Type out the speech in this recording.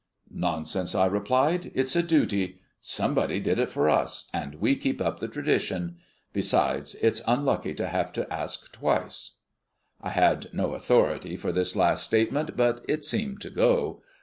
"Nonsense," I replied. "It's a duty. Somebody did it for us, and we keep up the tradition. Besides, it's unlucky to have to ask twice." I had no authority for this last statement, but it seemed to go.